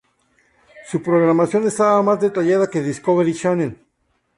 Su programación estaba más detallada que Discovery Channel.